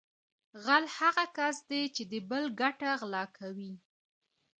غل هغه کس دی چې د بل ګټه غلا کوي